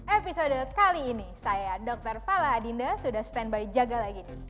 episode kali ini saya dr fala adinda sudah stand by jaga lagi